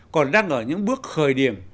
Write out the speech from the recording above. còn đang ở những bước khởi điểm